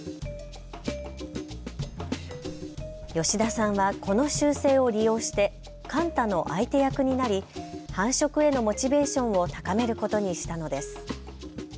吉田さんはこの習性を利用して、カンタの相手役になり、繁殖へのモチベーションを高めることにしたのです。